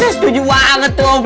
setuju banget tuh